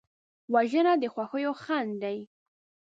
وژنه د خوښیو خنډ ده